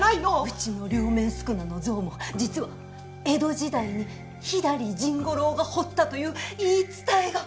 うちの両面宿儺の像も実は江戸時代に左甚五郎が彫ったという言い伝えが。